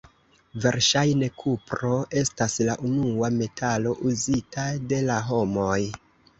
Verŝajne kupro estas la unua metalo uzita de la homoj.